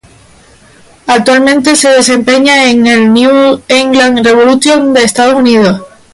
Actualmente se desempeña en el New England Revolution de Estados Unidos.